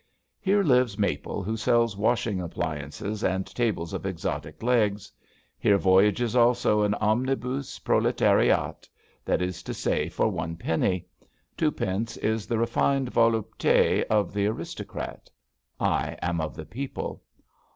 Here lives Maple, who sells washing appliances and tables of exotic legs. Here voyages also a Omnibuse Proletariat. That is to say for One penny. Two pence is the refined volupte of the Aristo crat. I am of the people.